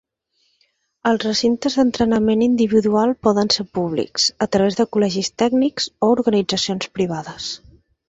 Els recintes d'entrenament individual poden ser públics, a través de col·legis tècnics o organitzacions privades.